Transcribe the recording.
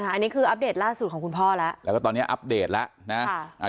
อันนี้คืออัปเดตล่าสุดของคุณพ่อแล้วแล้วก็ตอนนี้อัปเดตแล้วนะ